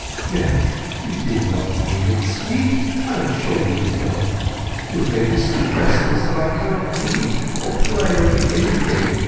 "Now—you did not mean it, sweet?—I am sure you did not! You have made me so restless that I cannot read, or play, or do anything.